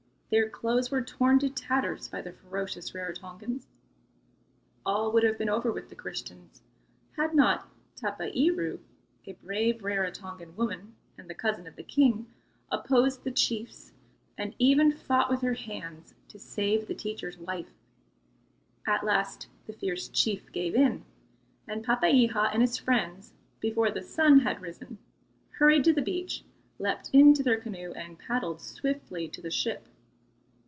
Their clothes were torn to tatters by the ferocious Rarotongans. All would have been over with the Christians, had not Tapairu, a brave Rarotongan woman and the cousin of the king, opposed the chiefs and even fought with her hands to save the teacher's wife. At last the fierce chief gave in, and Papeiha and his friends, before the sun had risen, hurried to the beach, leapt into their canoe and paddled swiftly to the ship.